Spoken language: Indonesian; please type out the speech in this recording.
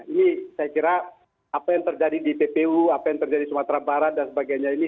ini saya kira apa yang terjadi di tpu apa yang terjadi di sumatera barat dan sebagainya ini